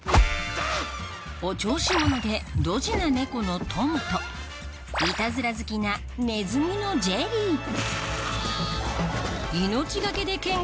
お調子者でドジなネコのトムといたずら好きなネズミのジェリーワァ‼